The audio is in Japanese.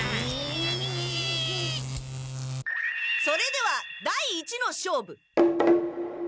それでは第一の勝負。